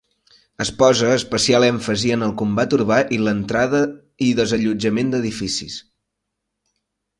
Es posa especial èmfasi en el combat urbà i la entrada i desallotjament d'edificis.